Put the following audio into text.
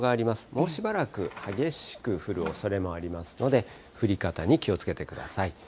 もうしばらく激しく降るおそれもありますので、降り方に気をつけてください。